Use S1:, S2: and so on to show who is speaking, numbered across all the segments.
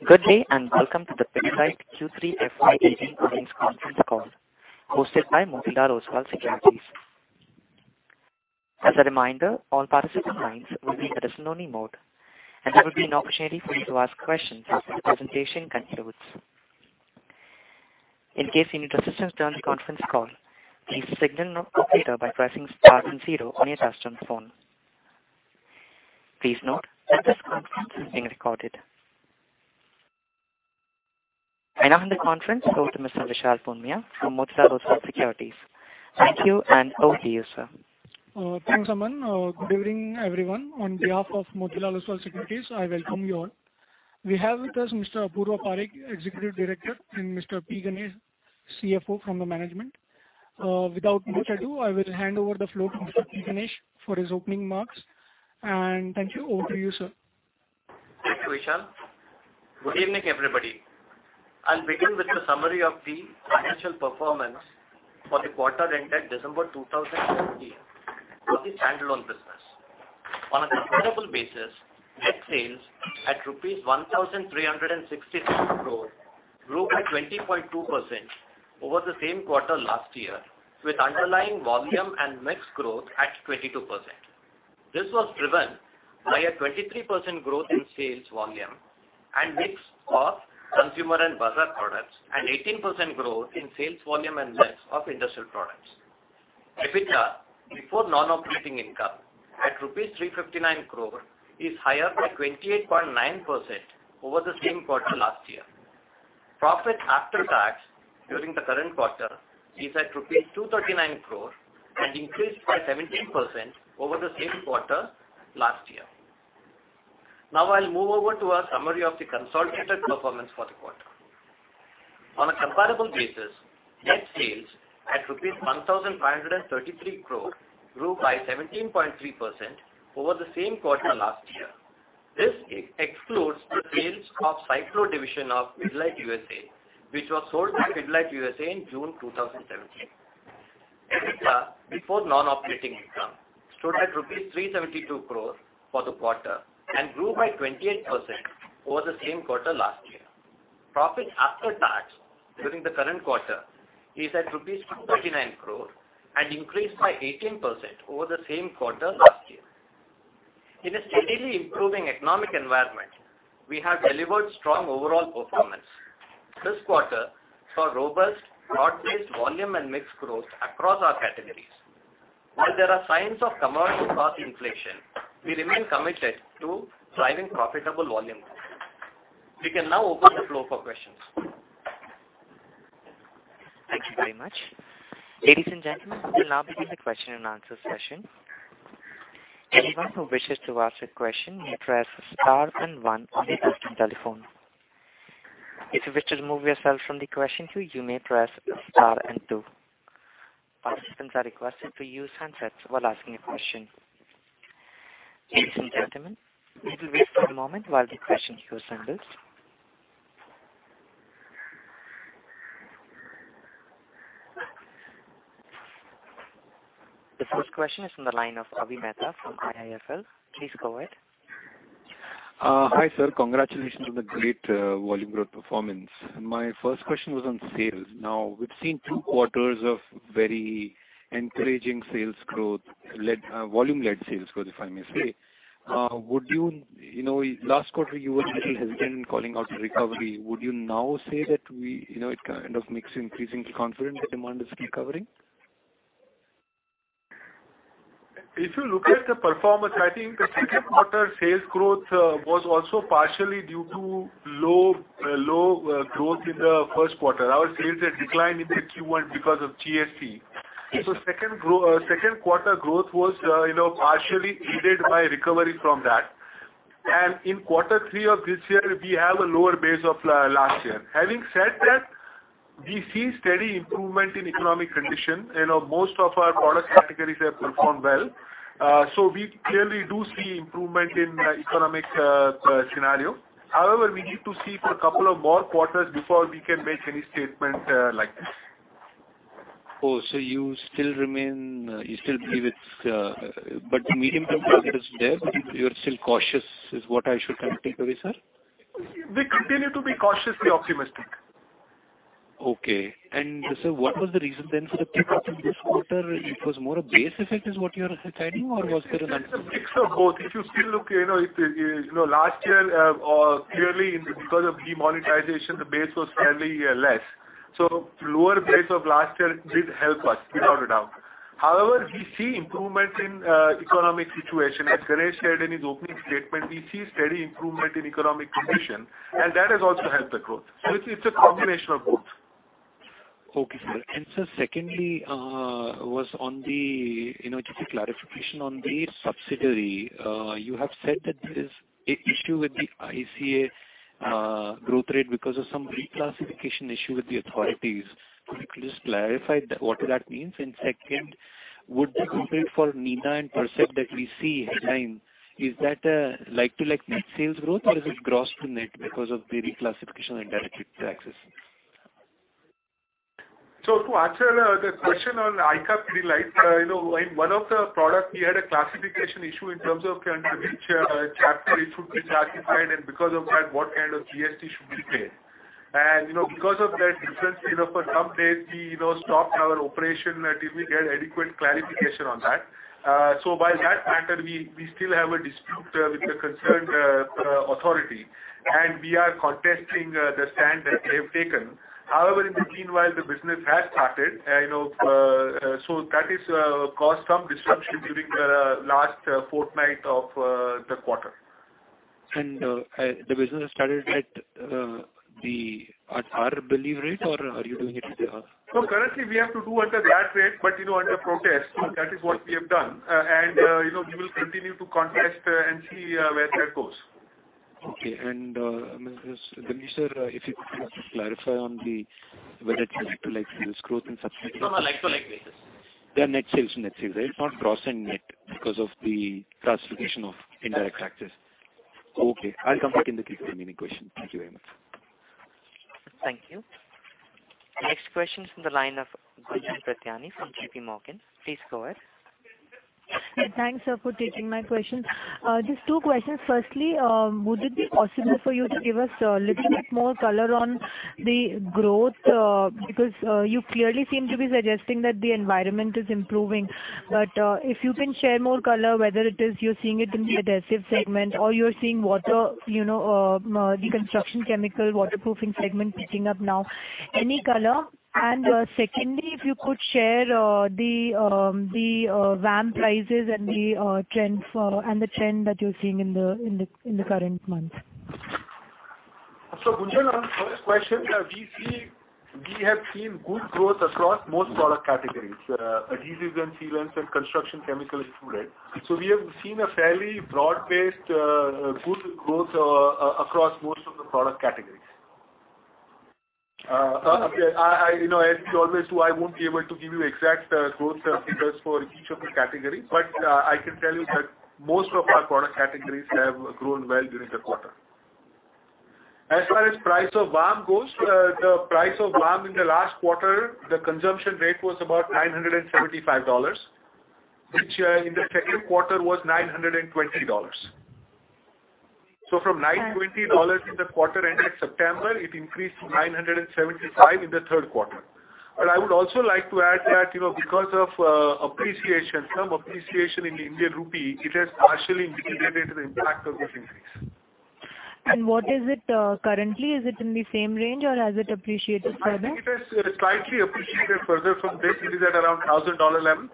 S1: Ladies and gentlemen, good day and welcome to the Pidilite Q3 FY18 Earnings Conference Call hosted by Motilal Oswal Securities. As a reminder, all participant lines will be in a listen-only mode. There will be an opportunity for you to ask questions as the presentation concludes. In case you need assistance during the conference call, please signal an operator by pressing star and zero on your touchtone phone. Please note that this conference is being recorded. I now hand the conference over to Mr. Vishal Ponniah from Motilal Oswal Securities. Thank you. Over to you, sir.
S2: Thanks, Aman. Good evening, everyone. On behalf of Motilal Oswal Securities, I welcome you all. We have with us Mr. Apurva Parekh, Executive Director, and Mr. P. Ganesh, CFO from the management. Without much ado, I will hand over the floor to Mr. P. Ganesh for his opening remarks. Thank you. Over to you, sir.
S3: Thank you, Vishal. Good evening, everybody. I'll begin with a summary of the financial performance for the quarter ended December 2017 for the standalone business. On a comparable basis, net sales at rupees 1,367 crore grew by 20.2% over the same quarter last year, with underlying volume and mix growth at 22%. This was driven by a 23% growth in sales volume and mix of consumer and bazaar products, and 18% growth in sales volume and mix of industrial products. EBITDA before non-operating income at INR 359 crore is higher by 28.9% over the same quarter last year. Profit after tax during the current quarter is at rupees 239 crore and increased by 17% over the same quarter last year. Now I'll move over to a summary of the consolidated performance for the quarter. On a comparable basis, net sales at INR 1,533 crore grew by 17.3% over the same quarter last year. This excludes the sales of Cyclo division of Pidilite USA, which was sold by Pidilite USA in June 2017. EBITDA before non-operating income stood at rupees 372 crore for the quarter and grew by 28% over the same quarter last year. Profit after tax during the current quarter is at INR 239 crore and increased by 18% over the same quarter last year. In a steadily improving economic environment, we have delivered strong overall performance. This quarter saw robust broad-based volume and mix growth across our categories. While there are signs of commercial cost inflation, we remain committed to driving profitable volume growth. We can now open the floor for questions.
S1: Thank you very much. Ladies and gentlemen, we will now begin the question and answer session. Anyone who wishes to ask a question may press star and one on your touchtone telephone. If you wish to remove yourself from the question queue, you may press star and two. Participants are requested to use handsets while asking a question. Ladies and gentlemen, we will wait for a moment while the question queue settles. The first question is from the line of Avi Mehta from IIFL. Please go ahead.
S4: Hi, sir. Congratulations on the great volume growth performance. My first question was on sales. Now, we've seen two quarters of very encouraging volume-led sales growth, if I may say. Last quarter you were a little hesitant in calling out the recovery. Would you now say that it kind of makes you increasingly confident that demand is recovering?
S5: If you look at the performance, I think the second quarter sales growth was also partially due to low growth in the first quarter. Our sales had declined in the Q1 because of GST. Second quarter growth was partially aided by recovery from that. In quarter three of this year, we have a lower base of last year. Having said that, we see steady improvement in economic condition. Most of our product categories have performed well. We clearly do see improvement in economic scenario. However, we need to see for a couple of more quarters before we can make any statement like this.
S4: Oh, the medium-term target is there, but you're still cautious is what I should kind of take away, sir?
S5: We continue to be cautiously optimistic.
S4: Okay. Sir, what was the reason then for the pick-up in this quarter? It was more a base effect, is what you're saying? Or was there another-
S5: It's a mix of both. If you still look, last year, clearly because of demonetization, the base was fairly less, so lower base of last year did help us, without a doubt. However, we see improvements in economic situation. As Ganesh shared in his opening statement, we see steady improvement in economic condition, and that has also helped the growth. It's a combination of both.
S4: Okay, sir. Sir, secondly was just a clarification on the subsidiary. You have said that there is an issue with the ICA growth rate because of some reclassification issue with the authorities. Could you please clarify what that means? Second, would the growth rate for Nina and Percept that we see headline, is that like to like net sales growth, or is it gross to net because of the reclassification and indirect taxes?
S5: To answer the question on ICA Pidilite, in one of the products we had a classification issue in terms of under which chapter it should be classified, and because of that, what kind of GST should be paid. Because of that difference, for some days, we stopped our operation until we get adequate clarification on that. By that factor, we still have a dispute with the concerned authority, and we are contesting the stand that they have taken. However, in the meanwhile, the business has started. That has caused some disruption during the last fortnight of the quarter.
S4: The business has started at our billed rate, or are you doing it?
S5: No, currently we have to do under that rate, but under protest. That is what we have done. We will continue to contest and see where that goes.
S4: Okay. Damir, sir, if you could just clarify on the whether it's like-to-like sales growth in subsidiaries.
S3: It's on a like-to-like basis.
S4: Net sales to net sales, right? Not gross and net because of the classification of indirect taxes.
S3: Correct.
S4: Okay, I'll come back in the Q&A question. Thank you very much.
S1: Thank you. Next question is from the line of Gunjan Prithyani from J.P. Morgan. Please go ahead.
S6: Thanks, sir, for taking my question. Just two questions. Firstly, would it be possible for you to give us a little bit more color on the growth? You clearly seem to be suggesting that the environment is improving, but if you can share more color, whether it is you're seeing it in the adhesive segment or you're seeing the construction chemical waterproofing segment picking up now. Any color. Secondly, if you could share the VAM prices and the trend that you're seeing in the current month.
S5: Gunjan, on the first question, we have seen good growth across most product categories, adhesives and sealants and construction chemicals too. We have seen a fairly broad-based good growth across most of the product categories. As you always do, I won't be able to give you exact growth figures for each of the categories. I can tell you that most of our product categories have grown well during the quarter. As far as price of VAM goes, the price of VAM in the last quarter, the consumption rate was about $975, which in the second quarter was $920. From $920 in the quarter ending September, it increased to $975 in the third quarter. I would also like to add that because of some appreciation in the Indian rupee, it has partially mitigated the impact of this increase.
S6: What is it currently? Is it in the same range or has it appreciated further?
S5: I think it has slightly appreciated further from there. It is at around $1,000 level.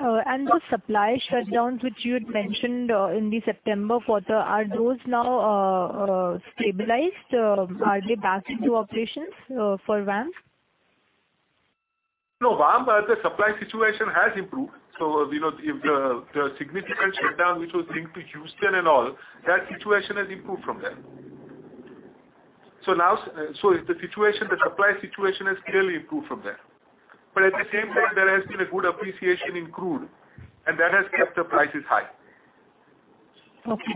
S6: The supply shutdowns which you had mentioned in the September quarter, are those now stabilized? Are they back into operations for VAMs?
S5: No, VAM, the supply situation has improved. The significant shutdown, which was linked to Houston and all, that situation has improved from there. The supply situation has clearly improved from there. At the same time, there has been a good appreciation in crude, and that has kept the prices high.
S6: Okay.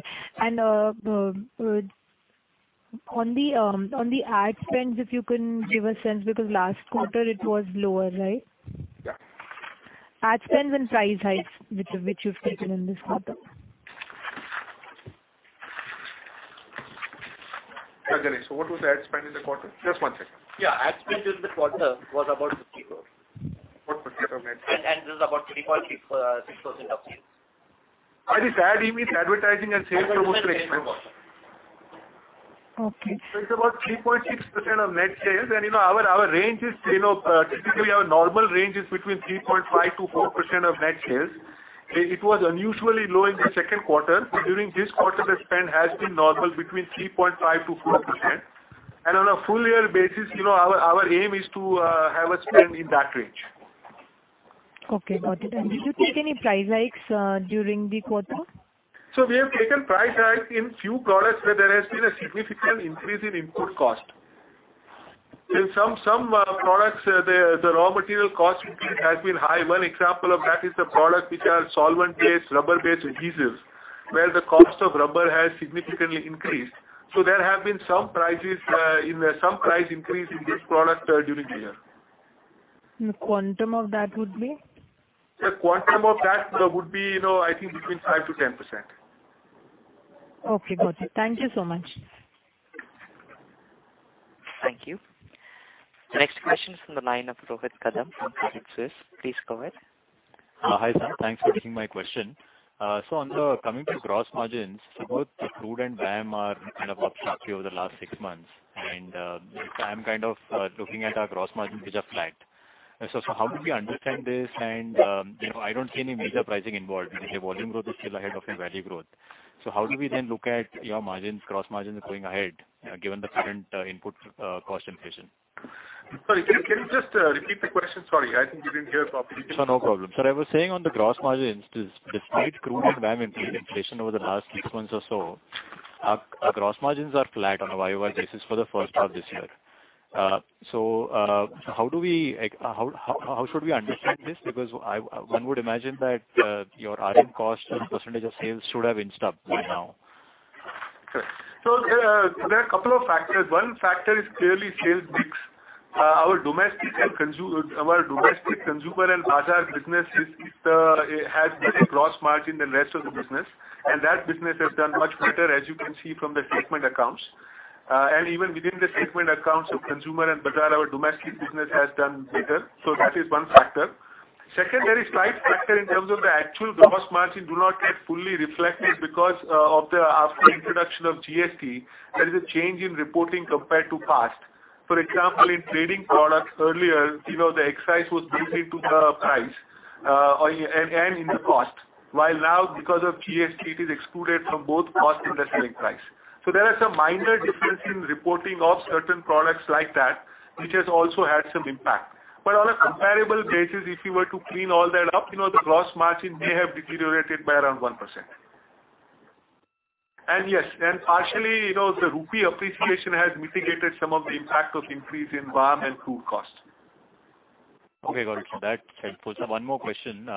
S6: On the ad spends, if you can give a sense, because last quarter it was lower, right?
S5: Yeah.
S6: Ad spend and price hikes, which you've taken in this quarter.
S5: Akash, what was the ad spend in the quarter? Just one second.
S3: Yeah. Ad spend in the quarter was about 50 crores.
S5: About INR 50 crores net.
S3: This is about 3.6% of sales.
S5: By this ad, he means advertising and sales promotion expense.
S3: Sales promotion.
S6: Okay.
S5: It's about 3.6% of net sales. Typically, our normal range is between 3.5%-4% of net sales. It was unusually low in the second quarter. During this quarter, the spend has been normal between 3.5%-4%. On a full year basis, our aim is to have a spend in that range.
S6: Okay, got it. Did you take any price hikes during the quarter?
S5: We have taken price hikes in few products where there has been a significant increase in input cost. In some products, the raw material cost has been high. One example of that is the product which are solvent-based, rubber-based adhesives, where the cost of rubber has significantly increased. There have been some price increase in this product during the year.
S6: The quantum of that would be?
S5: The quantum of that would be, I think between 5%-10%.
S6: Okay, got it. Thank you so much.
S1: Thank you. The next question is from the line of Rohit Kadam from Credit Suisse. Please go ahead.
S7: Hi, sir. Thanks for taking my question. Coming to gross margins, both crude and VAM are up sharply over the last six months. I'm looking at our gross margins, which are flat. How do we understand this? I don't see any major pricing involved because the volume growth is still ahead of the value growth. How do we then look at your margins, gross margins going ahead, given the current input cost inflation?
S5: Sorry, can you just repeat the question? Sorry, I think we didn't hear properly.
S7: No problem. Sir, I was saying on the gross margins, despite crude and VAM input inflation over the last six months or so, our gross margins are flat on a YOY basis for the first half of this year. How should we understand this? Because one would imagine that your RM cost as a percentage of sales should have inched up by now
S5: Sure. There are a couple of factors. One factor is clearly sales mix. Our domestic consumer and Bazaar businesses have better gross margin than the rest of the business, and that business has done much better, as you can see from the segment accounts. Even within the segment accounts of consumer and Bazaar, our domestic business has done better. That is one factor. Second, there is a slight factor in terms of the actual gross margin do not get fully reflected because after the introduction of GST, there is a change in reporting compared to past. For example, in trading products earlier, the excise was built into the price and in the cost. While now because of GST, it is excluded from both cost and the selling price. There are some minor differences in reporting of certain products like that, which has also had some impact. On a comparable basis, if you were to clean all that up, the gross margin may have deteriorated by around 1%. Yes, and partially, the rupee appreciation has mitigated some of the impact of increase in raw material and crude costs.
S7: Okay, got it. That's helpful. Sir, one more question.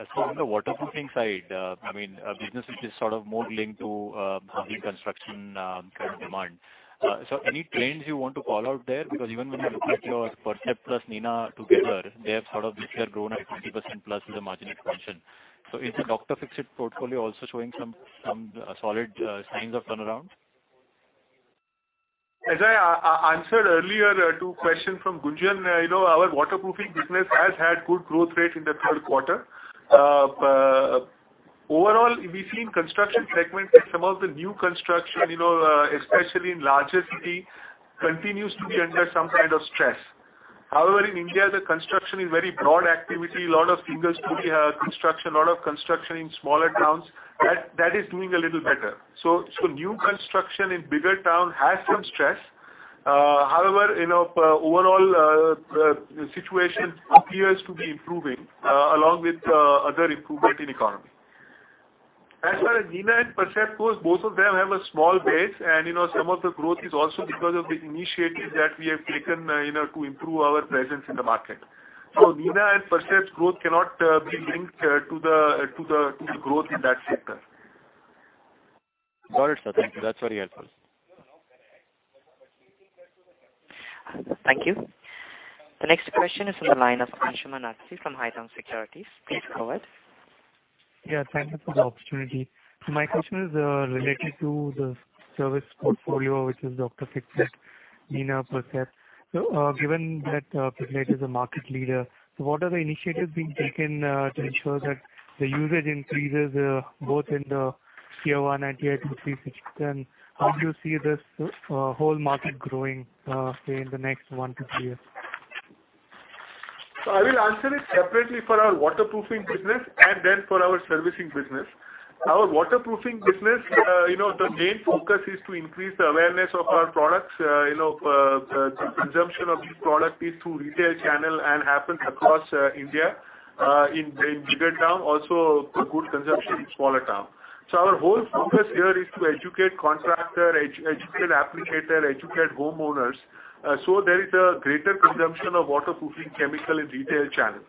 S7: As for on the waterproofing side, business which is sort of more linked to housing construction kind of demand. Any trends you want to call out there? Because even when you look at your Percept + Nina together, they have sort of this year grown at 20%+ as a margin expansion. Is the Dr. Fixit portfolio also showing some solid signs of turnaround?
S5: As I answered earlier to question from Gunjan, our waterproofing business has had good growth rate in the third quarter. Overall, we see in construction segment that some of the new construction, especially in larger city, continues to be under some kind of stress. However, in India, the construction is very broad activity. A lot of construction in smaller towns is doing a little better. New construction in bigger town has some stress. However, overall situation appears to be improving, along with other improvement in economy. As for as Nina and Percept goes, both of them have a small base and some of the growth is also because of the initiatives that we have taken to improve our presence in the market. Nina and Percept's growth cannot be linked to the growth in that sector.
S7: Got it, sir. Thank you. That's very helpful.
S1: Thank you. The next question is from the line of Anshuman Rathi from Edelweiss Securities. Please go ahead.
S8: Yeah, thank you for the opportunity. My question is related to the service portfolio, which is Dr. Fixit, Nina, Percept. Given that Pidilite is a market leader, what are the initiatives being taken to ensure that the usage increases both in the Tier 1 and Tier 2, Tier 3 cities? How do you see this whole market growing, say, in the next one to two years?
S5: I will answer it separately for our waterproofing business and then for our servicing business. Our waterproofing business, the main focus is to increase the awareness of our products. The consumption of these products is through retail channel and happens across India. In bigger town also good consumption in smaller town. Our whole focus here is to educate contractor, educate applicator, educate homeowners, there is a greater consumption of waterproofing chemical in retail channel.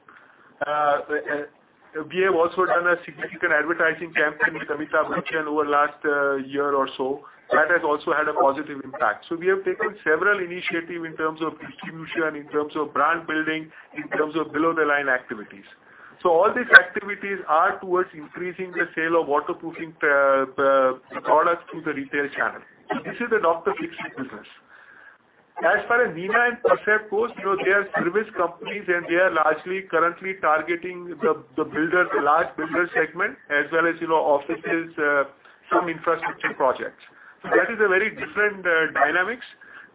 S5: We have also done a significant advertising campaign with Amitabh Bachchan over last year or so. That has also had a positive impact. We have taken several initiatives in terms of distribution, in terms of brand building, in terms of below the line activities. All these activities are towards increasing the sale of waterproofing products through the retail channel. This is the Dr. Fixit business. As far as Nina and Percept goes, they are service companies, and they are largely currently targeting the large builder segment, as well as offices, some infrastructure projects. That is a very different dynamics.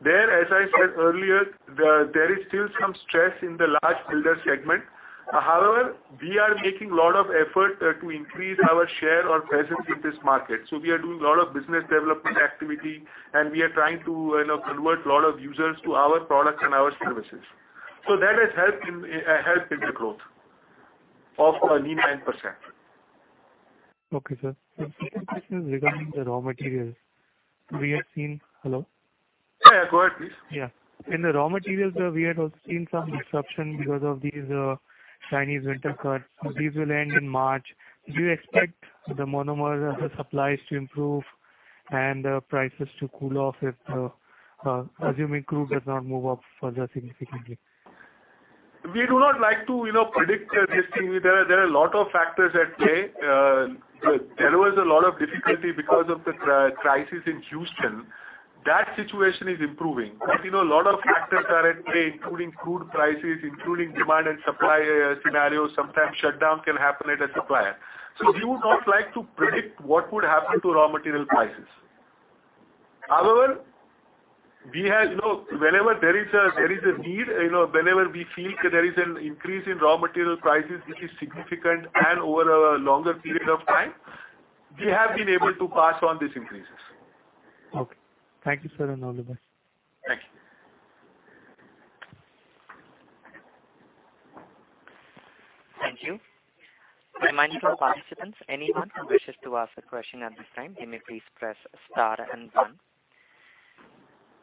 S5: There, as I said earlier, there is still some stress in the large builder segment. However, we are making lot of effort to increase our share or presence in this market. We are doing a lot of business development activity, and we are trying to convert lot of users to our products and our services. That has helped in the growth of Nina and Percept.
S8: Okay, sir. The second question is regarding the raw materials. We have seen Hello?
S5: Yeah, go ahead, please.
S8: Yeah. In the raw materials, sir, we had also seen some disruption because of these Chinese winter cuts. These will end in March. Do you expect the monomer supplies to improve and prices to cool off if, assuming crude does not move up further significantly?
S5: We do not like to predict this thing. There are a lot of factors at play. There was a lot of difficulty because of the crisis in Houston. That situation is improving. A lot of factors are at play, including crude prices, including demand and supply scenarios. Sometimes shutdown can happen at a supplier. We would not like to predict what would happen to raw material prices. However, whenever we feel there is an increase in raw material prices, which is significant and over a longer period of time, we have been able to pass on these increases.
S8: Okay. Thank you, sir, and all the best.
S5: Thank you.
S1: Thank you. Reminding our participants, anyone who wishes to ask a question at this time, you may please press star and one.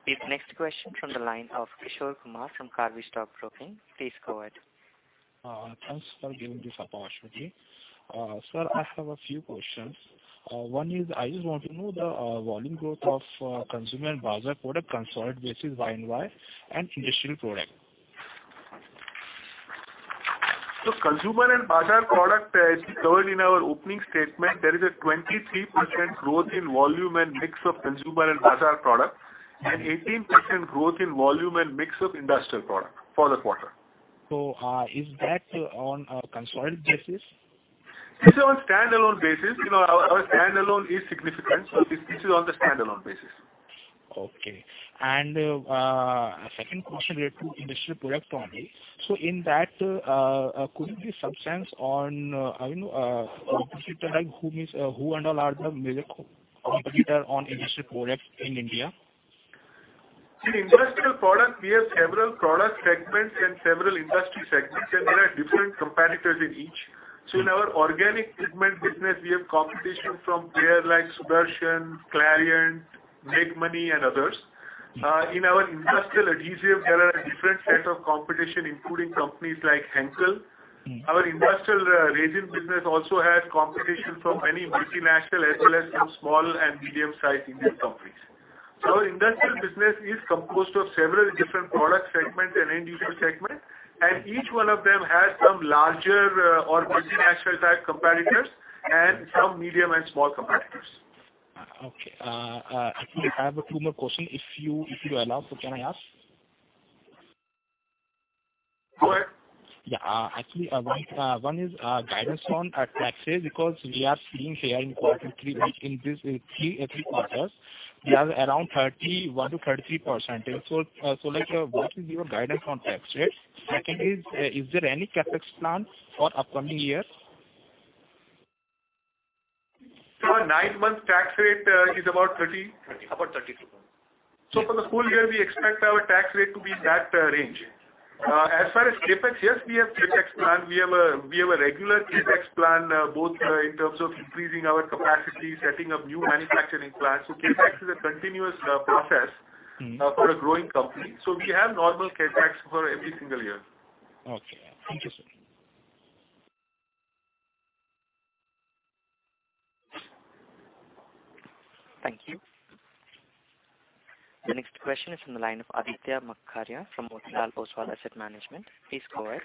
S1: The next question from the line of Kishore Kumar from Karvy Stock Broking. Please go ahead.
S9: Thanks for giving this opportunity. Sir, I have a few questions. One is, I just want to know the volume growth of consumer and bazaar product, consolidated basis Y and Y, and industrial product.
S5: Consumer and bazaar product, as we covered in our opening statement, there is a 23% growth in volume and mix of consumer and bazaar product, and 18% growth in volume and mix of industrial product for the quarter.
S9: Is that on a consolidated basis?
S5: This is on standalone basis. Our standalone is significant. This is on the standalone basis.
S9: Okay. Second question related to industrial product only. In that, could you please substance on competitor like who and all are the major competitor on industrial products in India?
S5: In industrial product, we have several product segments and several industry segments, there are different competitors in each. In our organic pigment business, we have competition from player like Sudarshan, Clariant, Meghmani and others. In our industrial adhesives, there are a different set of competition, including companies like Henkel. Our industrial resin business also has competition from many multinational as well as some small and medium-sized Indian companies. Our industrial business is composed of several different product segments and end-user segments, and each one of them has some larger or multinational type competitors and some medium and small competitors.
S9: Okay. Actually, I have a two more question, if you allow, can I ask?
S5: Go ahead.
S9: Yeah. Actually, one is guidance on tax rates because we are seeing here in Q3, like in these three quarters, we have around 31%-33%. What is your guidance on tax rates? Second is there any CapEx plans for upcoming year?
S5: Our nine-month tax rate is about 30?
S9: About 32.
S5: For the full year, we expect our tax rate to be in that range. As far as CapEx, yes, we have CapEx plan. We have a regular CapEx plan, both in terms of increasing our capacity, setting up new manufacturing plants. CapEx is a continuous process for a growing company. We have normal CapEx for every single year.
S9: Okay. Interesting.
S1: Thank you. The next question is from the line of Aditya Makaria from Motilal Oswal Asset Management. Please go ahead.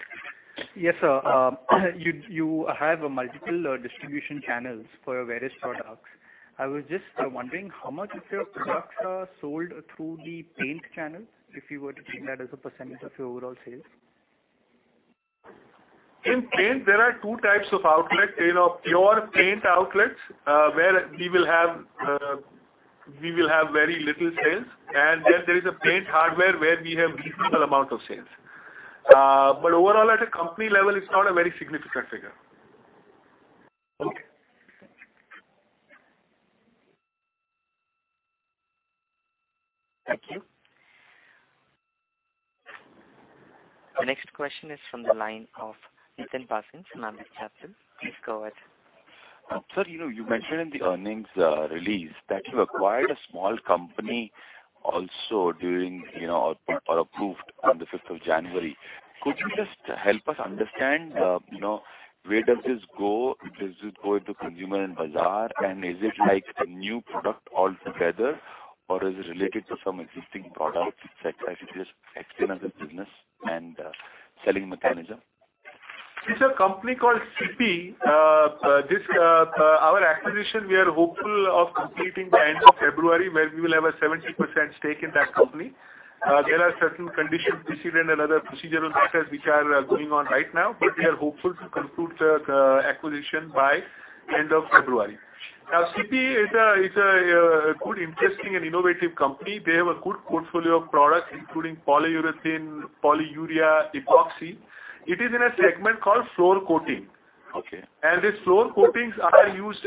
S10: Yes, sir. You have multiple distribution channels for your various products. I was just wondering how much of your products are sold through the paint channel, if you were to treat that as a % of your overall sales.
S5: In paint, there are 2 types of outlet. Pure paint outlets, where we will have very little sales, and then there is a paint hardware where we have reasonable amount of sales. Overall, at a company level, it's not a very significant figure.
S10: Okay.
S1: Thank you. The next question is from the line of Nathan Parsons from Ambit Capital. Please go ahead.
S11: Sir, you mentioned in the earnings release that you acquired a small company also during, or approved on the 5th of January. Could you just help us understand where does this go? Does it go into consumer and bazaar? Is it like a new product altogether, or is it related to some existing products? If you could just explain us the business and selling mechanism.
S5: It's a company called CIPY. Our acquisition, we are hopeful of completing by end of February, where we will have a 70% stake in that company. There are certain conditions precedent and other procedural matters which are going on right now, but we are hopeful to conclude the acquisition by end of February. Now, CIPY is a good, interesting, and innovative company. They have a good portfolio of products, including polyurethane, polyurea, epoxy. It is in a segment called floor coating.
S11: Okay.
S5: These floor coatings are used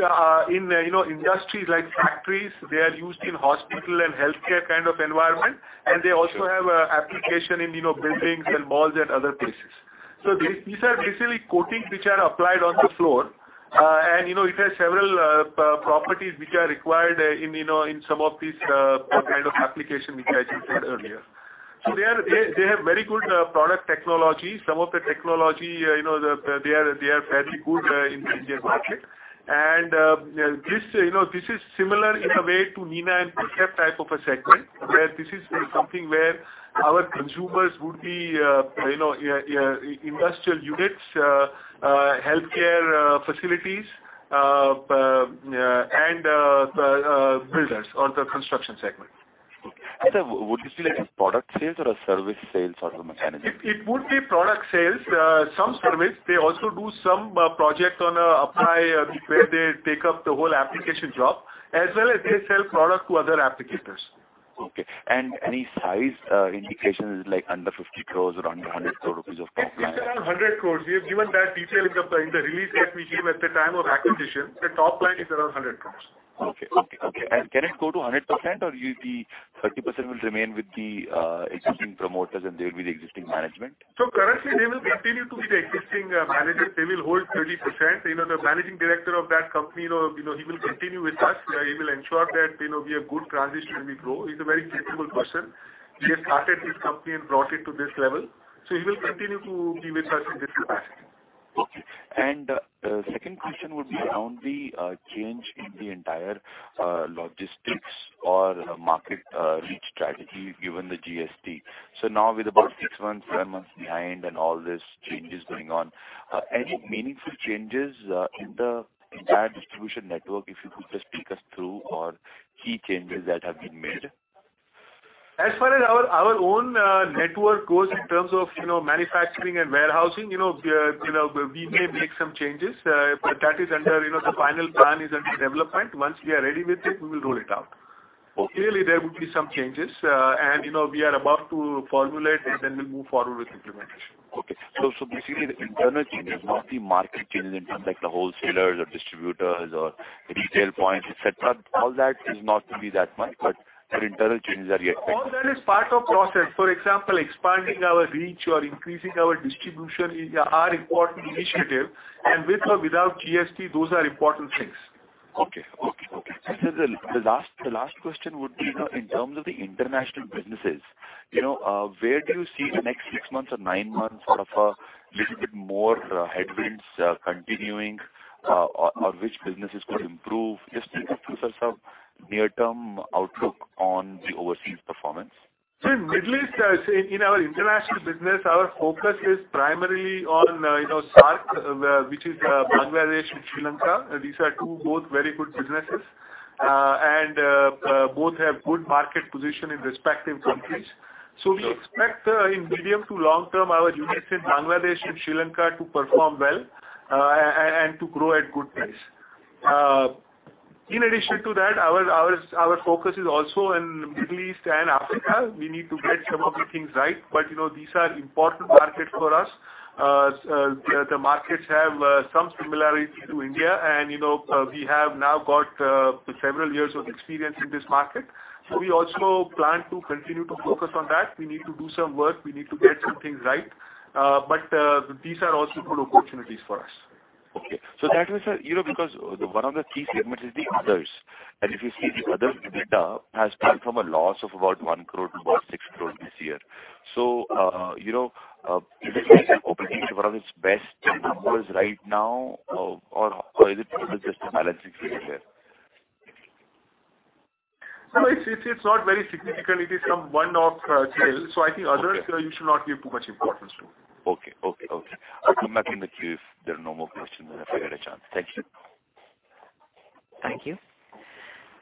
S5: in industries like factories. They are used in hospital and healthcare kind of environment, and they also have application in buildings and malls and other places. These are basically coatings which are applied on the floor. It has several properties which are required in some of these kind of application which I just said earlier. They have very good product technology. Some of the technology, they are fairly good in Indian market. This is similar in a way to Nina and Percept type of a segment, where this is something where our consumers would be industrial units, healthcare facilities, and builders or the construction segment.
S11: Would you say like a product sales or a service sales sort of a mechanism?
S5: It would be product sales, some service. They also do some project on a apply, where they take up the whole application job, as well as they sell product to other applicators.
S11: Okay. Any size indications like under 50 crores or under 100 crore rupees of top line?
S5: It's around 100 crores. We have given that detail in the release that we gave at the time of acquisition. The top line is around 100 crores.
S11: Okay. Can it go to 100%, or the 30% will remain with the existing promoters and they will be the existing management?
S5: Currently, they will continue to be the existing managers. They will hold 30%. The managing director of that company, he will continue with us. He will ensure that we have good transition and we grow. He's a very capable person. He has started this company and brought it to this level. He will continue to be with us in different capacity.
S11: Okay. The second question would be around the change in the entire logistics or market reach strategy, given the GST. Now with about six months, seven months behind and all this changes going on, any meaningful changes in the entire distribution network, if you could just take us through or key changes that have been made.
S5: As far as our own network goes in terms of manufacturing and warehousing, we may make some changes, but the final plan is under development. Once we are ready with it, we will roll it out.
S11: Okay.
S5: Clearly, there would be some changes. We are about to formulate and we'll move forward with implementation.
S11: Okay. Basically the internal changes, not the market changes in terms like the wholesalers or distributors or retail points, et cetera, all that is not going to be that much, internal changes are yet to come.
S5: All that is part of process. For example, expanding our reach or increasing our distribution are important initiative, with or without GST, those are important things.
S11: Okay. Sir, the last question would be in terms of the international businesses, where do you see the next six months or nine months out of a little bit more headwinds continuing or which businesses could improve? Give us some near-term outlook on the overseas performance.
S5: In Middle East, in our international business, our focus is primarily on SAARC, which is Bangladesh and Sri Lanka. These are two very good businesses. Both have good market position in respective countries. We expect in medium to long term, our units in Bangladesh and Sri Lanka to perform well and to grow at good pace. In addition to that, our focus is also in Middle East and Africa. We need to get some of the things right, but these are important markets for us. The markets have some similarity to India, and we have now got several years of experience in this market. We also plan to continue to focus on that. We need to do some work. We need to get some things right. These are also good opportunities for us.
S11: Okay. Sir, one of the key segments is the others, if you see the others EBITDA has turned from a loss of about 1 crore to about 6 crore this year. Is it operating to one of its best numbers right now or is it just a balancing figure there?
S5: No, it's not very significant. It is some one-off sale. I think others, you should not give too much importance to.
S11: Okay. I'll come back in the queue if there are no more questions and if I get a chance. Thank you.
S1: Thank you.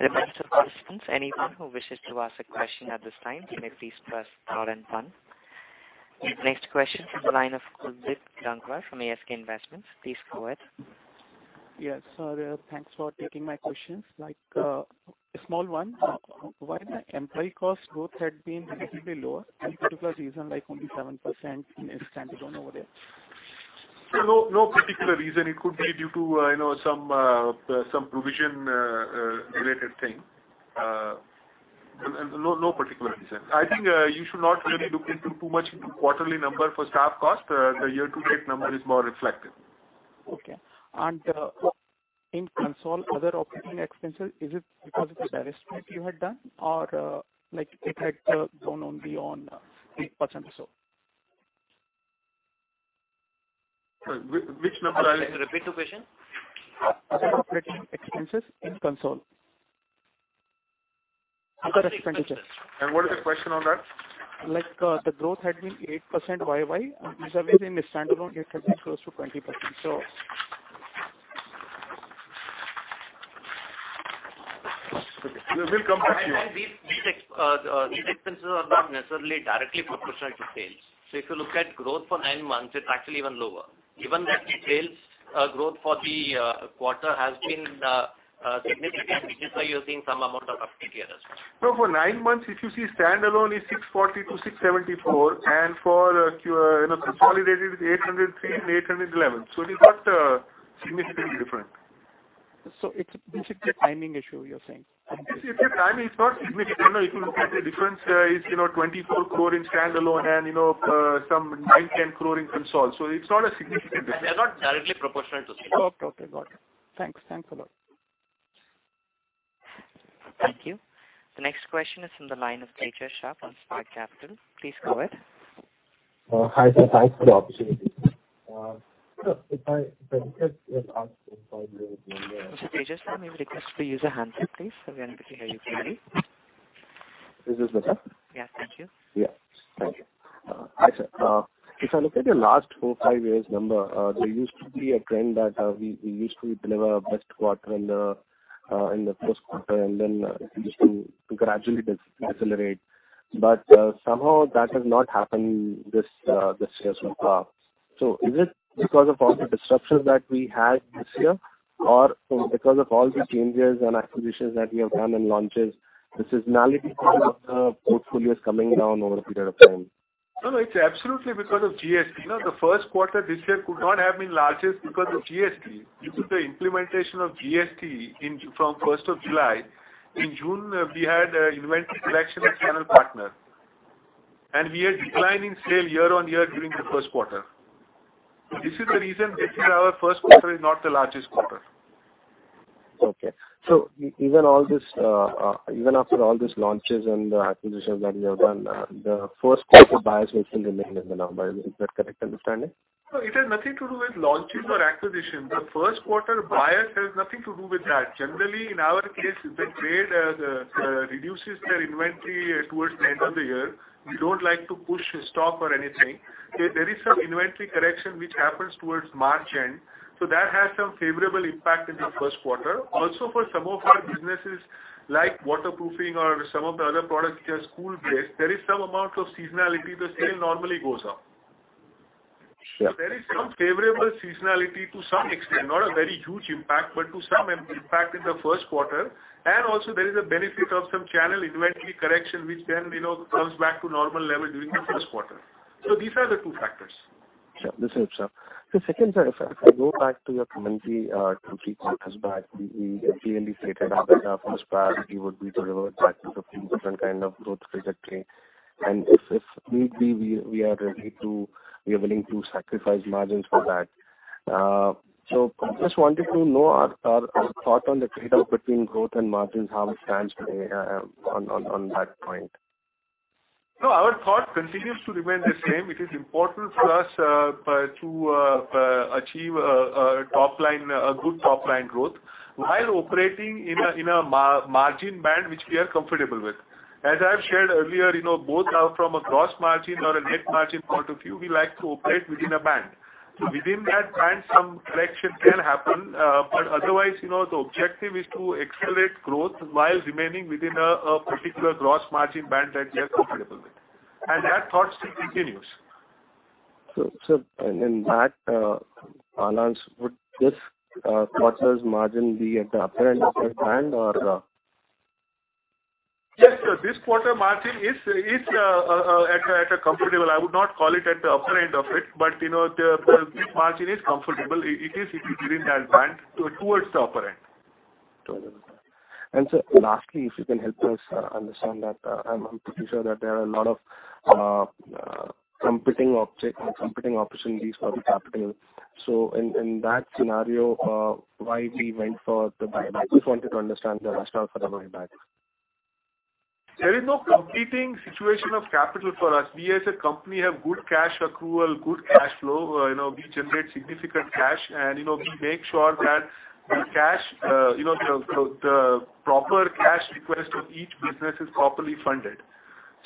S1: Members of conference line, anyone who wishes to ask a question at this time, you may please press star and one. Next question from the line of Kuldeep Gangwar from ASK Investments. Please go ahead.
S12: Yes, sir. Thanks for taking my questions. A small one. Why the employee cost growth had been relatively lower? Any particular reason, like only 7% in standalone over there?
S5: No particular reason. It could be due to some provision-related thing. No particular reason. I think you should not really look into too much into quarterly number for staff cost. The year-to-date number is more reflective.
S12: Okay. In consolidated, other operating expenses, is it because of the divestment you had done or it had gone on beyond 8% or so?
S5: Sorry, which number are you?
S3: Could you repeat the question?
S12: Other operating expenses in consol. Other expenses.
S5: What is the question on that?
S12: The growth had been 8% Y-Y, and these are within the standalone, it has been close to 20%.
S5: We'll come back to you on that.
S3: These expenses are not necessarily directly proportional to sales. If you look at growth for nine months, it's actually even lower. Even though the sales growth for the quarter has been significant, which is why you're seeing some amount of uptick here as well.
S5: No, for nine months, if you see standalone is 640-674, and for consolidated, it is 803 and 811. It is not significantly different.
S12: It's basically a timing issue, you're saying.
S5: It's a timing. It's not significant. If you look at the difference is 24 crore in standalone and some nine, 10 crore in consol. It's not a significant difference.
S3: They're not directly proportional to sales.
S12: Okay. Got it. Thanks a lot.
S1: Thank you. The next question is from the line of Tejas Shah from Spark Capital. Please go ahead.
S13: Hi, sir. Thanks for the opportunity. If I look at your last-
S1: Mr. Tejas, may we request for you to use a handset, please, so we are able to hear you clearly.
S13: Is this better?
S1: Yeah. Thank you.
S13: Yeah. Thank you. Hi, sir. If I look at your last four, five years number, there used to be a trend that we used to deliver best quarter in the first quarter, then it used to gradually accelerate. Somehow that has not happened this year so far. Is it because of all the disruptions that we had this year or because of all the changes and acquisitions that we have done and launches, the seasonality of the portfolio is coming down over a period of time?
S5: No, it's absolutely because of GST. The first quarter this year could not have been largest because of GST. Due to the implementation of GST from first of July, in June, we had inventory correction with channel partner. We had decline in sale year-on-year during the first quarter. This is the reason this year our first quarter is not the largest quarter.
S13: Okay. Even after all these launches and acquisitions that you have done, the first quarter bias will still remain in the numbers. Is that correct understanding?
S5: It has nothing to do with launches or acquisitions. The first quarter buyer has nothing to do with that. Generally, in our case, the trade reduces their inventory towards the end of the year. We don't like to push stock or anything. There is some inventory correction, which happens towards March end, so that has some favorable impact in the first quarter. Also, for some of our businesses like waterproofing or some of the other products, just [inauble], there is some amount of seasonality. The sale normally goes up.
S13: Sure.
S5: There is some favorable seasonality to some extent, not a very huge impact, but to some impact in the first quarter. Also there is a benefit of some channel inventory correction, which then comes back to normal level during the first quarter. These are the two factors.
S13: Sure. Second, sir, if I go back to your commentary two, three quarters back, we clearly stated our first priority would be to revert back to 15% kind of growth trajectory, and if need be, we are willing to sacrifice margins for that. Just wanted to know our thought on the trade-off between growth and margins, how it stands today on that point.
S5: Our thought continues to remain the same. It is important to us to achieve a good top-line growth while operating in a margin band which we are comfortable with. As I've shared earlier, both are from a gross margin or a net margin point of view, we like to operate within a band. Within that band, some correction can happen. Otherwise, the objective is to accelerate growth while remaining within a particular gross margin band that we are comfortable with. That thought still continues.
S13: In that balance, would this quarter's margin be at the upper end of that band or
S5: Yes, sir. This quarter margin is at a comfortable, I would not call it at the upper end of it, but the margin is comfortable. It is within that band towards the upper end.
S13: Totally. Sir, lastly, if you can help us understand that I'm pretty sure that there are a lot of competing opportunities for the capital. In that scenario, why we went for the buyback. Just wanted to understand the rationale for the buyback.
S5: There is no competing situation of capital for us. We as a company have good cash accrual, good cash flow, we generate significant cash, and we make sure that the proper cash request of each business is properly funded.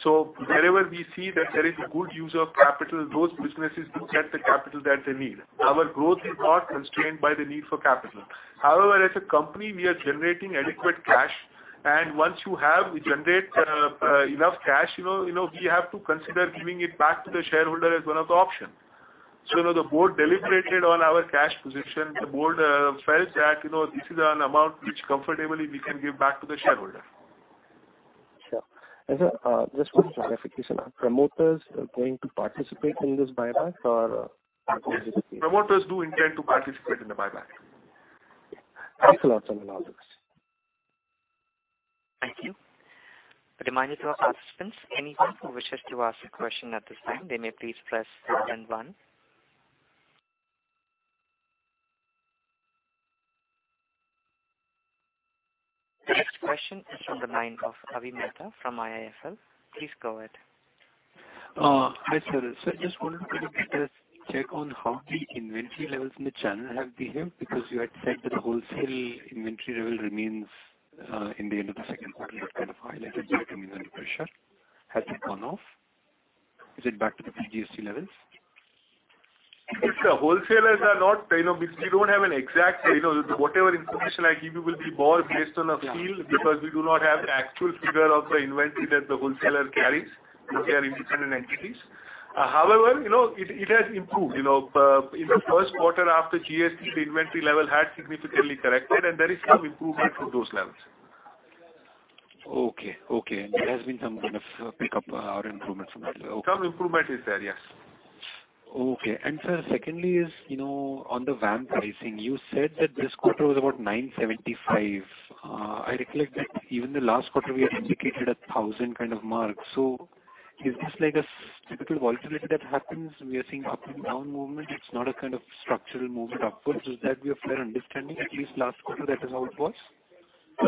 S5: Wherever we see that there is a good use of capital, those businesses do get the capital that they need. Our growth is not constrained by the need for capital. However, as a company, we are generating adequate cash, and once we generate enough cash, we have to consider giving it back to the shareholder as one of the options. The board deliberated on our cash position. The board felt that this is an amount which comfortably we can give back to the shareholder.
S13: Sir, just for clarification, are promoters going to participate in this buyback?
S5: Promoters do intend to participate in the buyback.
S13: Thanks a lot, sir.
S1: Thank you. A reminder to our participants, anyone who wishes to ask a question at this time, they may please press star then one. The next question is from the line of Avi Mehta from IIFL. Please go ahead.
S4: Hi sir. Sir, just wanted to get a check on how the inventory levels in the channel have behaved, because you had said that the wholesale inventory level remains in the end of the second quarter, it kind of highlighted by the commodity pressure. Has it gone off? Is it back to the pre-GST levels?
S5: We don't have an exact, whatever information I give you will be more based on a feel because we do not have the actual figure of the inventory that the wholesaler carries because they are independent entities. However, it has improved. In the first quarter after GST, the inventory level had significantly corrected and there is some improvement to those levels.
S4: Okay. There has been some kind of pick up or improvement from that level. Okay.
S5: Some improvement is there, yes.
S4: Okay. Sir, secondly is, on the VAM pricing, you said that this quarter was about $975. I recollect that even the last quarter we had indicated a $1,000 kind of mark. Is this like a typical volatility that happens? We are seeing up and down movement. It's not a kind of structural movement upwards. Is that a fair understanding? At least last quarter that is how it was.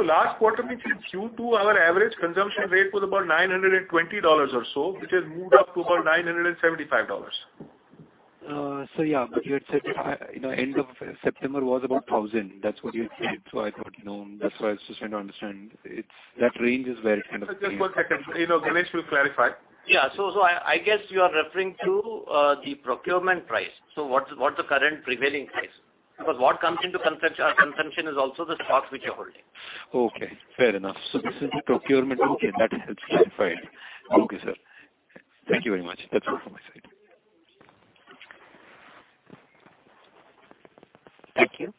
S5: Last quarter, which is Q2, our average consumption rate was about $920 or so, which has moved up to about $975.
S4: Sir, yeah. You had said, end of September was about $1,000. That's what you had said. I thought, that's why I was just trying to understand that range is where it kind of
S5: Just one second. Ganesh will clarify.
S3: I guess you are referring to the procurement price. What's the current prevailing price? Because what comes into our consumption is also the stock which you're holding.
S4: Okay, fair enough. This is the procurement. Okay, that helps clarify it. Okay, sir. Thank you very much. That's all from my side.
S1: Thank you.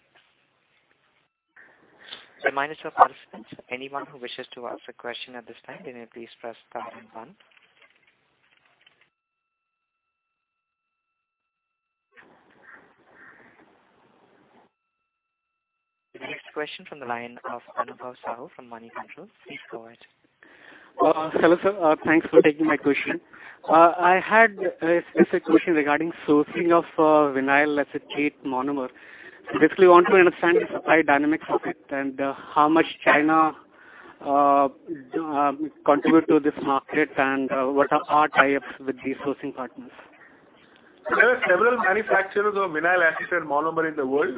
S1: A reminder to our participants, anyone who wishes to ask a question at this time, they may please press star 1. The next question from the line of Anubhav Sahu from Moneycontrol. Please go ahead.
S14: Hello, sir. Thanks for taking my question. I had a specific question regarding sourcing of vinyl acetate monomer. I want to understand the supply dynamics of it and how much China contribute to this market, and what are our tie-ups with these sourcing partners?
S5: There are several manufacturers of vinyl acetate monomer in the world,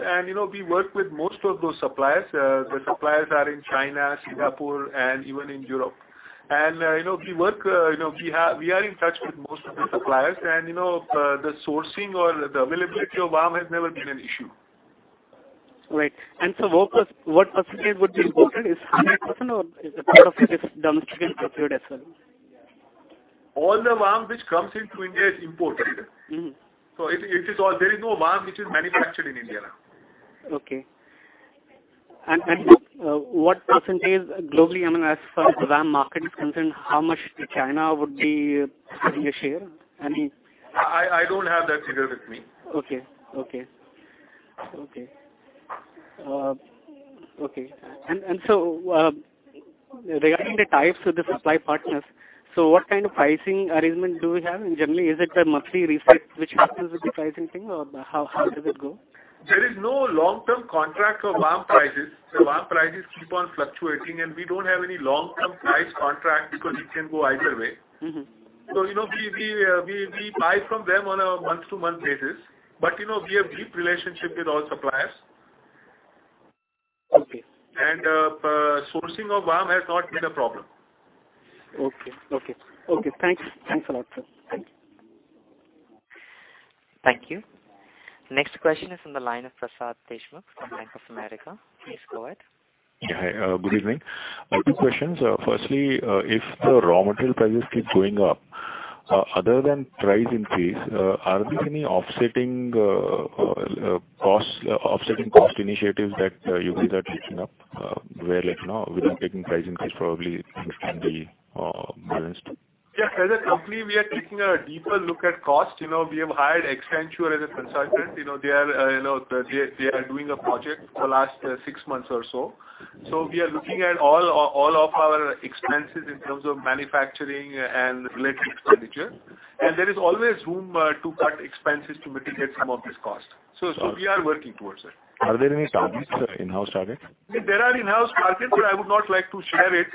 S5: we work with most of those suppliers. The suppliers are in China, Singapore, and even in Europe. We are in touch with most of the suppliers, the sourcing or the availability of VAM has never been an issue.
S14: Right. What percentage would be imported? Is it 100%, or is a part of it is domestically procured as well?
S5: All the VAM which comes into India is imported. There is no VAM which is manufactured in India now.
S14: Okay. What percentage globally, as far as the VAM market is concerned, how much China would be having a share?
S5: I don't have that figure with me.
S14: Okay. Regarding the tie-ups with the supply partners, so what kind of pricing arrangement do we have? Generally, is it a monthly reset which happens with the pricing thing, or how does it go?
S5: There is no long-term contract for VAM prices. The VAM prices keep on fluctuating, and we don't have any long-term price contract because it can go either way. We buy from them on a month-to-month basis, but we have deep relationship with all suppliers.
S14: Okay.
S5: Sourcing of VAM has not been a problem.
S14: Okay. Thanks. Thanks a lot, sir. Thanks.
S1: Thank you. Next question is from the line of Prasad Deshmukh from Bank of America. Please go ahead.
S15: Hi, good evening. Two questions. Firstly, if the raw material prices keep going up, other than price increase, are there any offsetting cost initiatives that you guys are taking up where without taking pricing, this probably can be balanced?
S5: Yes, as a company, we are taking a deeper look at cost. We have hired Accenture as a consultant. They are doing a project for the last six months or so. We are looking at all of our expenses in terms of manufacturing and related expenditure. There is always room to cut expenses to mitigate some of this cost. We are working towards it.
S15: Are there any targets, in-house targets?
S5: There are in-house targets, but I would not like to share it.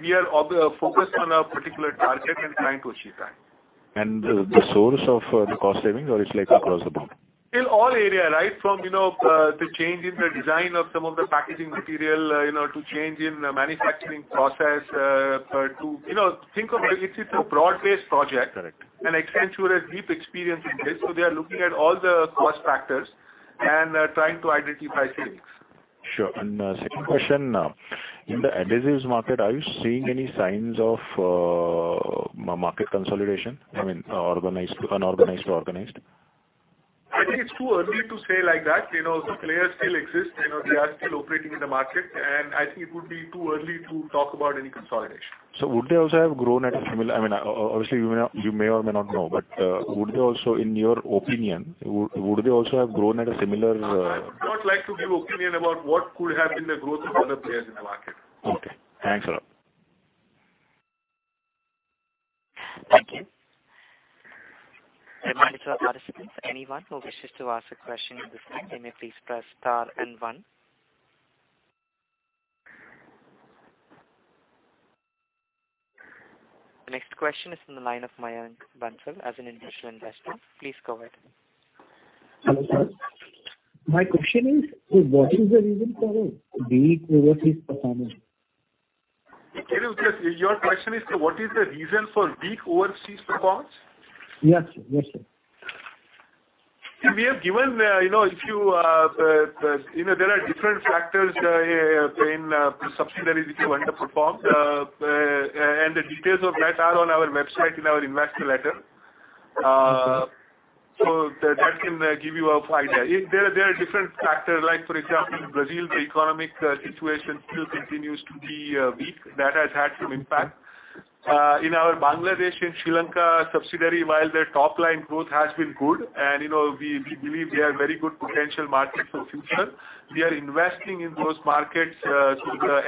S5: We are focused on a particular target and trying to achieve that.
S15: The source of the cost saving or it's like across the board?
S5: In all areas. From the change in the design of some of the packaging material, to change in manufacturing process. It's a broad-based project.
S15: Correct.
S5: Accenture has deep experience in this. They are looking at all the cost factors and trying to identify savings.
S15: Sure. Second question. In the adhesives market, are you seeing any signs of market consolidation? I mean, unorganized to organized?
S5: I think it's too early to say like that. The players still exist. They are still operating in the market. I think it would be too early to talk about any consolidation.
S15: Would they also have grown at a similar? Obviously, you may or may not know. Would they also, in your opinion, have grown at a similar?
S5: I would not like to give opinion about what could have been the growth of other players in the market.
S15: Okay. Thanks a lot.
S1: Thank you. A reminder to our participants, anyone who wishes to ask a question at this time, may please press star and one. The next question is from the line of Mayank Bansal, as an individual investor. Please go ahead.
S11: Hello, sir. My question is, what is the reason for weak overseas performance?
S5: Your question is, what is the reason for weak overseas performance?
S11: Yes, sir.
S5: There are different factors in subsidiaries which underperform, and the details of that are on our website in our investor letter.
S11: Okay.
S5: That can give you a idea. There are different factors, like for example, in Brazil, the economic situation still continues to be weak. That has had some impact. In our Bangladesh and Sri Lanka subsidiary, while their top-line growth has been good, and we believe they are very good potential markets for future. We are investing in those markets. The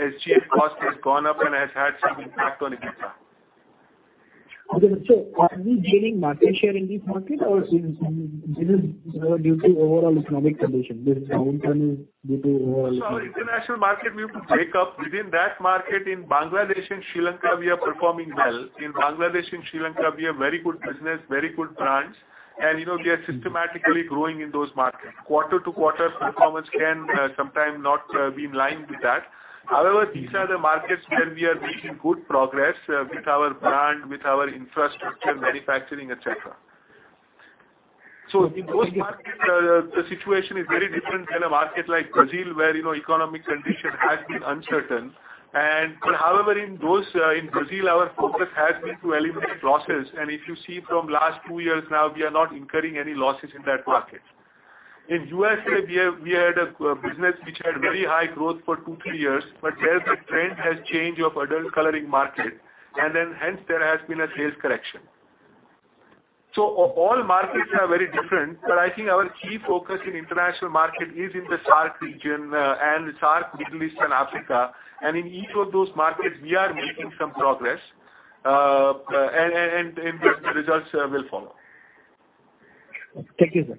S5: SG&A cost has gone up and has had some impact on EBITDA.
S11: Okay. Are we gaining market share in these markets or this is due to overall economic condition, this downturn is due to overall.
S5: Our international market, we have to break up within that market. In Bangladesh and Sri Lanka, we are performing well. In Bangladesh and Sri Lanka, we have very good business, very good brands, and we are systematically growing in those markets. Quarter-to-quarter performance can sometime not be in line with that. However, these are the markets where we are making good progress with our brand, with our infrastructure, manufacturing, et cetera. In those markets, the situation is very different. In a market like Brazil, where economic condition has been uncertain. However, in Brazil, our focus has been to eliminate losses. If you see from last two years now, we are not incurring any losses in that market. In the U.S., we had a business which had very high growth for two, three years, there the trend has changed of adult colouring market, hence there has been a sales correction. All markets are very different. I think our key focus in international market is in the SAARC region and the SAARC, Middle East, and Africa. In each of those markets, we are making some progress, and the results will follow.
S11: Thank you, sir.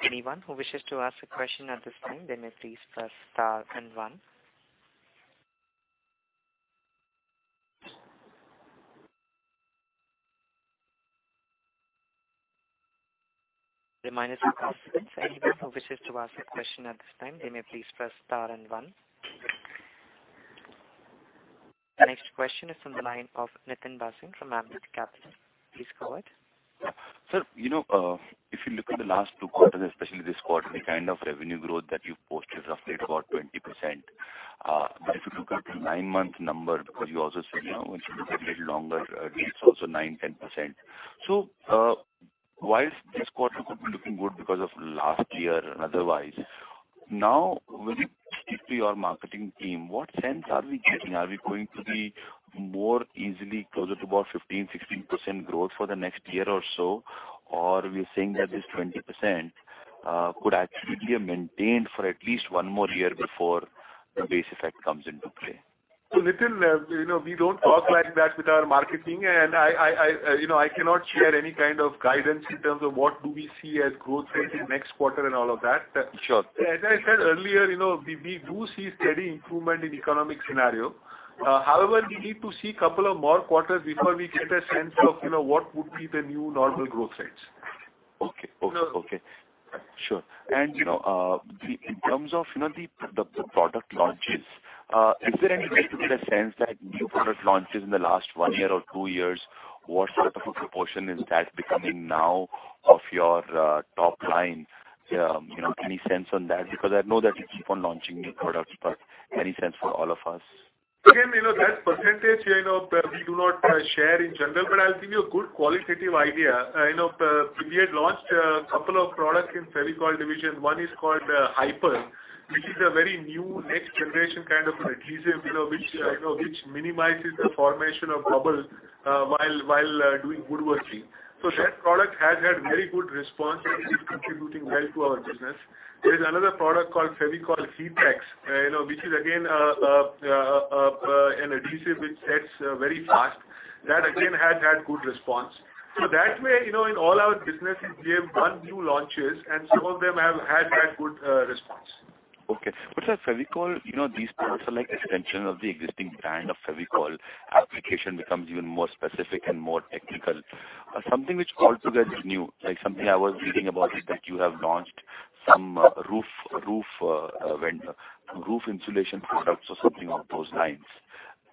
S1: Thank you. Anyone who wishes to ask a question at this time, they may please press star and one. Reminder to participants, anyone who wishes to ask a question at this time, they may please press star and one. The next question is on the line of Nitin Bhasin from Ambit Capital. Please go ahead.
S11: Sir, if you look at the last two quarters, especially this quarter, the kind of revenue growth that you've posted is roughly about 20%. If you look at the nine-month number, because you also said, once you look at little longer it's also 9%, 10%. Why is this quarter could be looking good because of last year and otherwise? Now when you speak to your marketing team, what sense are we getting? Are we going to be more easily closer to about 15%, 16% growth for the next year or so? We're saying that this 20% could actually be maintained for at least one more year before the base effect comes into play.
S5: Nitin, we don't talk like that with our marketing. I cannot share any kind of guidance in terms of what do we see as growth rate in next quarter and all of that. Sure. As I said earlier, we do see steady improvement in economic scenario. However, we need to see couple of more quarters before we get a sense of what would be the new normal growth rates.
S11: Okay. Sure. In terms of the product launches, is there any way to get a sense that new product launches in the last one year or two years, what sort of a proportion is that becoming now of your top line? Any sense on that? I know that you keep on launching new products, but any sense for all of us?
S5: That percentage we do not share in general, but I'll give you a good qualitative idea. We had launched a couple of products in Fevicol division. One is called Hi-Per, which is a very new next generation kind of an adhesive which minimizes the formation of bubbles while doing woodworking. That product has had very good response and is contributing well to our business. There's another product called Fevicol Heatex, which is again an adhesive which sets very fast. That again, has had good response. That way, in all our businesses, we have one, two launches and some of them have had that good response.
S11: Sir, Fevicol, these products are like extension of the existing brand of Fevicol. Application becomes even more specific and more technical. Something which altogether is new, like something I was reading about is that you have launched some roof insulation products or something of those lines.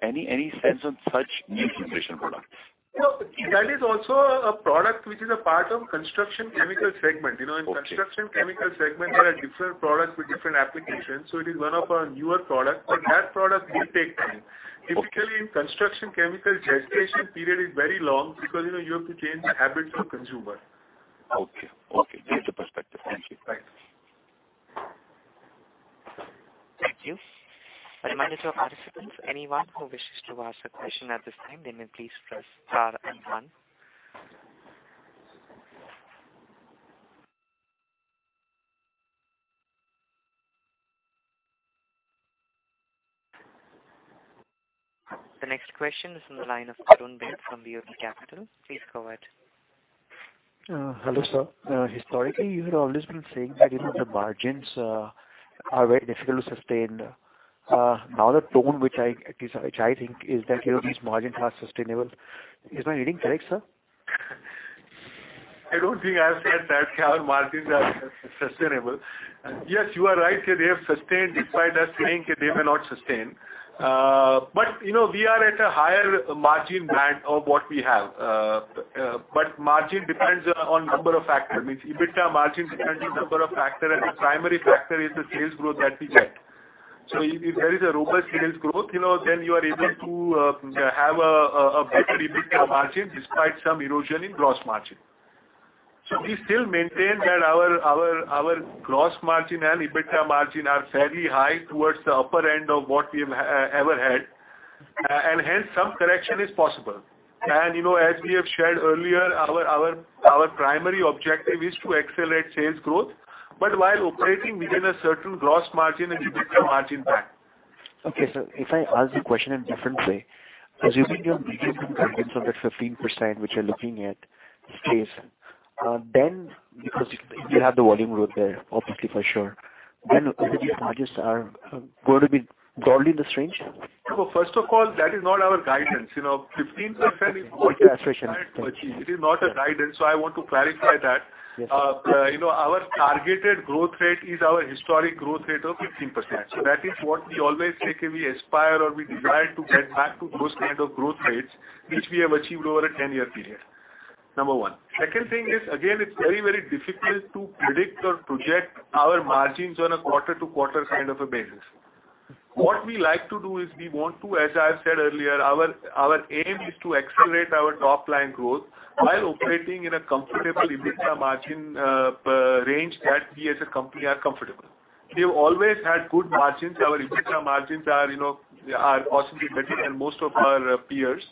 S11: Any sense on such new insulation products?
S5: That is also a product which is a part of construction chemical segment.
S11: Okay.
S5: In construction chemical segment, there are different products with different applications. It is one of our newer product, but that product will take time. Okay. Typically, in construction chemical, gestation period is very long because you have to change the habit of consumer.
S11: Okay. Gives a perspective. Thank you.
S5: Right.
S1: Thank you. A reminder to our participants, anyone who wishes to ask a question at this time, they may please press star and one. The next question is on the line of Arun Baid from BOB Capital. Please go ahead.
S16: Hello, sir. Historically, you had always been saying that the margins are very difficult to sustain. Now the tone which I think is that these margins are sustainable. Is my reading correct, sir?
S5: I don't think I've said that our margins are sustainable. Yes, you are right, they have sustained despite us saying they may not sustain. We are at a higher margin band of what we have. Margin depends on number of factors, means EBITDA margin depends on number of factor, and the primary factor is the sales growth that we get. If there is a robust sales growth, then you are able to have a better EBITDA margin despite some erosion in gross margin. We still maintain that our gross margin and EBITDA margin are fairly high towards the upper end of what we have ever had. Hence some correction is possible. As we have shared earlier, our primary objective is to accelerate sales growth, but while operating within a certain gross margin and EBITDA margin band.
S16: Okay, sir. If I ask the question in different way, assuming you're meeting the guidance of that 15% which you're looking at stays, then because you have the volume growth there, obviously for sure, then these margins are going to be broadly in this range?
S5: First of all, that is not our guidance. 15% is what.
S16: Yes, aspiration
S5: We desire to achieve. It is not a guidance, so I want to clarify that.
S16: Yes, sir.
S5: That is what we always say, we aspire or we desire to get back to those kind of growth rates which we have achieved over a 10-year period. Number one. Second thing is, again, it's very, very difficult to predict or project our margins on a quarter-to-quarter kind of a basis. What we like to do is we want to, as I've said earlier, our aim is to accelerate our top line growth while operating in a comfortable EBITDA margin range that we as a company are comfortable. We've always had good margins. Our EBITDA margins are possibly better than most of our peers,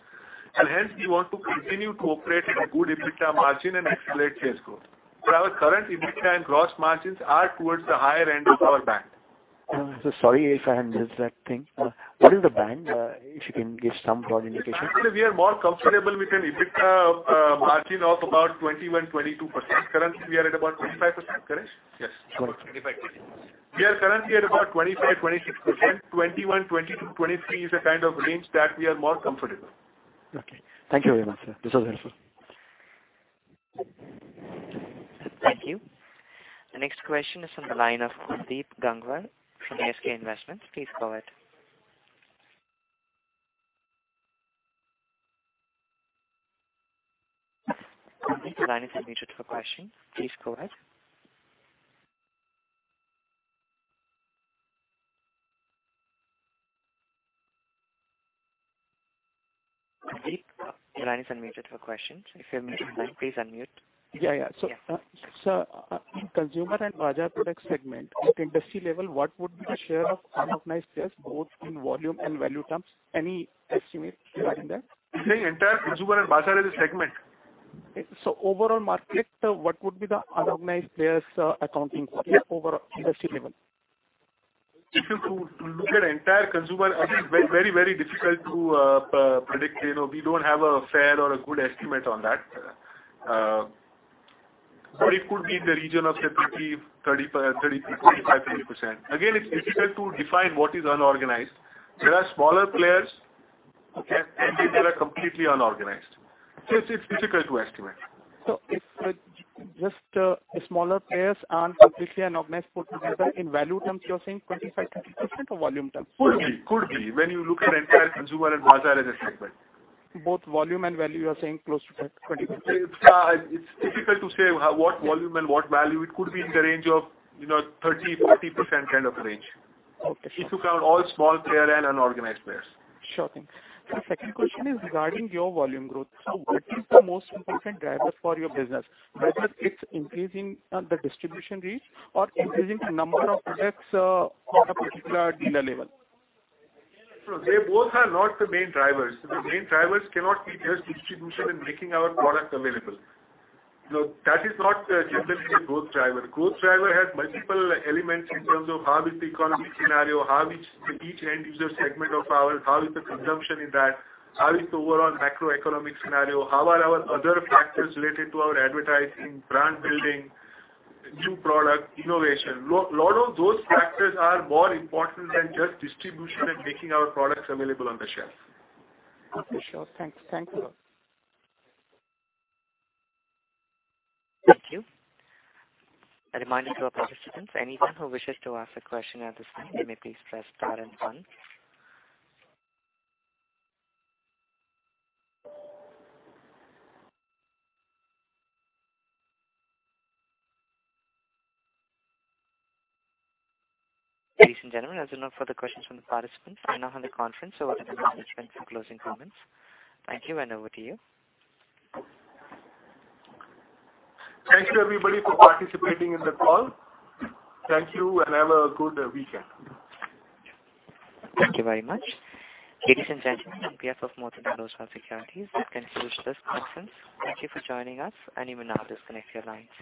S5: and hence we want to continue to operate at a good EBITDA margin and accelerate sales growth. Our current EBITDA and gross margins are towards the higher end of our band.
S16: Sorry if I missed that thing. What is the band? If you can give some broad indication.
S5: We are more comfortable with an EBITDA margin of about 21%, 22%. Currently, we are at about 25%, correct?
S3: Yes.
S5: Correct.
S3: 25%. We are currently at about 25%, 26%. 21%, 22%, 23% is the kind of range that we are more comfortable.
S16: Okay. Thank you very much, sir. This was helpful.
S1: Thank you. The next question is from the line of Kuldeep Gangwar from ASK Investment Managers. Please go ahead. Kuldeep, your line is unmuted for questions. Please go ahead. Kuldeep, your line is unmuted for questions. If you're muted, please unmute.
S12: Consumer and bazaar product segment, at industry level, what would be the share of unorganized sales both in volume and value terms? Any estimate regarding that?
S5: You're saying entire consumer and bazaar as a segment?
S12: Overall market, what would be the unorganized players accounting for it over industry level?
S5: If you look at the entire consumer, it is very difficult to predict. We don't have a fair or a good estimate on that. It could be in the region of say 30%, 35%, 40%. It's difficult to define what is unorganized. There are smaller players.
S12: Okay
S5: There are completely unorganized. It's difficult to estimate.
S12: Just the smaller players and completely unorganized put together in value terms, you're saying 25%-30% or volume terms?
S5: Could be. When you look at entire consumer and bazaar as a segment.
S12: Both volume and value, you're saying close to that 20%?
S5: It's difficult to say what volume and what value. It could be in the range of 30%-40% kind of range.
S12: Okay.
S5: If you count all small player and unorganized players.
S12: Sure thing. Sir, second question is regarding your volume growth. What is the most important driver for your business? Whether it's increasing the distribution reach or increasing the number of products on a particular dealer level?
S5: They both are not the main drivers. The main drivers cannot be just distribution and making our product available. No, that is not generally a growth driver. Growth driver has multiple elements in terms of how is the economy scenario, how is each end user segment of ours, how is the consumption in that, how is the overall macroeconomic scenario, how are our other factors related to our advertising, brand building, new product, innovation. Lot of those factors are more important than just distribution and making our products available on the shelf.
S12: Okay, sure. Thank you.
S1: Thank you. A reminder to our participants, anyone who wishes to ask a question at this time, you may please press star and one. Ladies and gentlemen, as there are no further questions from the participants, I now hand the conference over to the management for closing comments. Thank you, and over to you.
S5: Thank you everybody for participating in the call. Thank you, and have a good weekend.
S1: Thank you very much. Ladies and gentlemen, on behalf of Motilal Oswal Securities, that concludes this conference. Thank you for joining us, and you may now disconnect your lines.